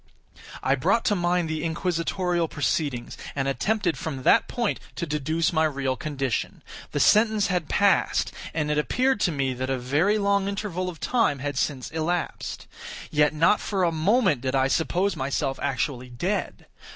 I brought to mind the inquisitorial proceedings, and attempted from that point to deduce my real condition. The sentence had passed; and it appeared to me that a very long interval of time had since elapsed. Yet not for a moment did I suppose myself actually dead.